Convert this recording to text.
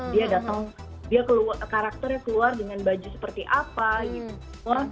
dia datang dia keluar karakternya keluar dengan baju seperti apa gitu